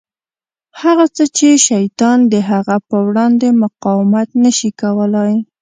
هغه څه چې شیطان د هغه په وړاندې مقاومت نه شي کولای.